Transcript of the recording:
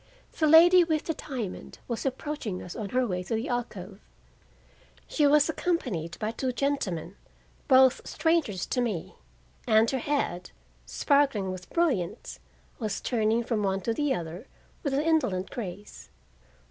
The lady with the diamond was approaching us on her way to the alcove. She was accompanied by two gentlemen, both strangers to me, and her head, sparkling with brilliants, was turning from one to the other with an indolent grace.